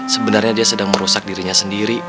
sebenarnya dia sedang merusak dirinya sendiri